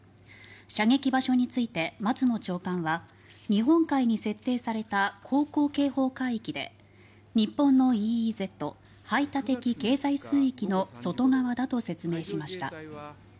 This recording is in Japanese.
射撃場所について松野長官は日本海に設定された航行警報海域で日本のＥＥＺ・排他的経済水域の外側だと説明しました。